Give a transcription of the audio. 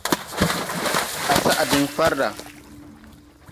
Á sa̧a̧n diŋ farda.